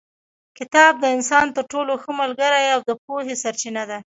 کتاب د انسان تر ټولو ښه ملګری او د پوهې سرچینه ده.